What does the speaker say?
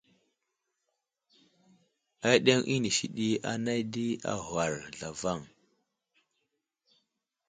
Aɗeŋw inisi anay di agwar zlavaŋ.